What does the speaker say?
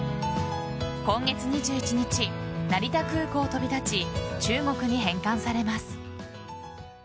今月２１日成田空港を飛び立ち中国に返還されます。